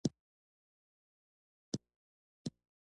نیکه د زوی په زوی ډېر خوشحال وي.